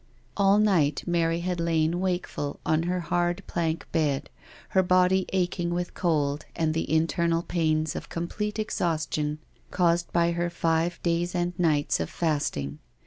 k All night Mary had lain wakeful on her hard, plank bed, her body aching with cold and the internal pains of complete exhaustion caused by her five days and nights of fasting.